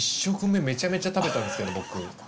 １食目めちゃめちゃ食べたんですけど僕。